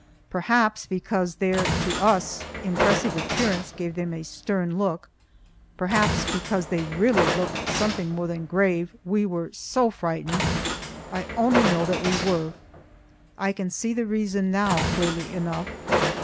Perhaps because their (to us) impressive appearance gave them a stern look; perhaps because they really looked something more than grave, we were so frightened. I only know that we were. I can see the reason now clearly enough.